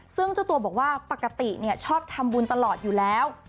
ซึ่งเจ้าตัวบอกว่าปกติชอบทำบุญตลอดอยู่แล้ว